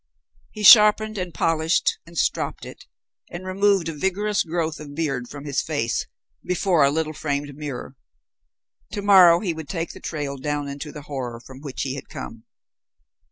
He sharpened and polished and stropped it, and removed a vigorous growth of beard from his face, before a little framed mirror. To morrow he would take the trail down into the horror from which he had come.